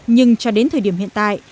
nhưng cho đến thời điểm hiện tại